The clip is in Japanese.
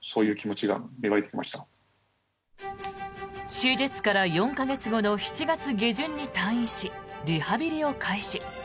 手術から４か月後の７月下旬に退院しリハビリを開始。